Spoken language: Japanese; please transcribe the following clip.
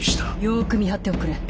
よく見張っておくれ。